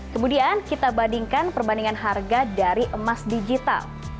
kemudian kita bandingkan perbandingan harga dari emas digital